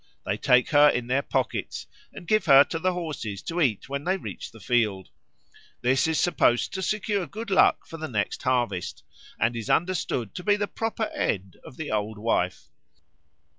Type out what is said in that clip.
They take her in their pockets and give her to the horses to eat when they reach the field. This is supposed to secure good luck for the next harvest, and is understood to be the proper end of the Old Wife.